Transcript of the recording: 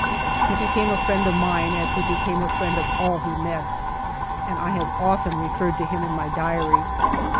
He became a friend of mine, as he became a friend of all he met, and I have often referred to him in my Diary.